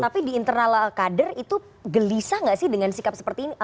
tapi di internal kader itu gelisah nggak sih dengan sikap seperti ini